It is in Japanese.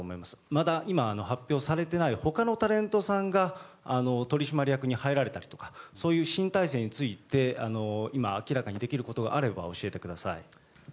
また発表されていない他のタレントさんが取締役に入られたりとか新体制について今、明らかにできることがあれば教えてください。